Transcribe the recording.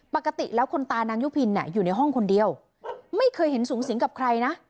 ปกติแล้วคนตายนางยุพินอยู่ในห้องคนเดียวไม่เคยเห็นสูงสิงกับใครนะ